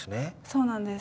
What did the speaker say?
そうなんです。